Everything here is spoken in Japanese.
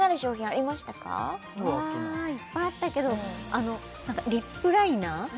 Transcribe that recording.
いっぱいあったけどリップライナー